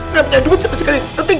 gak punya duit sama sekali ngerti gak